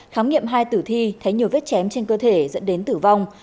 khám nghiệm hai tử thi thấy nhiều vết chém trên cơ thể dẫn đến tử vong